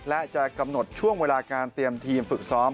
และจะกำหนดช่วงเวลาการเตรียมทีมฝึกซ้อม